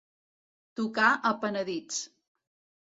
Tocar a penedits.